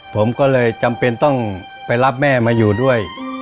ผมก็เลยจำเป็นต้องไปรับแม่มาอยู่ด้วย